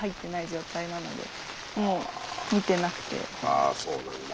ああそうなんだ。